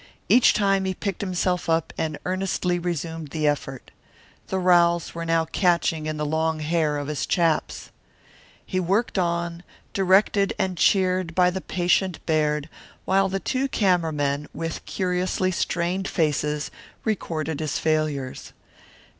Each time he picked himself up and earnestly resumed the effort. The rowels were now catching in the long hair of his chaps. He worked on, directed and cheered by the patient Baird, while the two camera men, with curiously strained faces, recorded his failures.